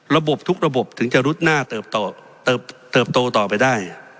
ระบบทุกระบบถึงจะรุดหน้าเติบโตต่อไปได้